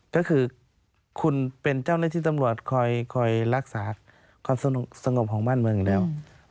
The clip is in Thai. ก็คือคุณเป็นเจ้าหน้าที่ตำรวจคอยรักษาความสงบของบ้านเมืองอยู่แล้ว